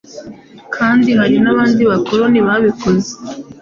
Kandi hari n'abandi bakoloni babikoze.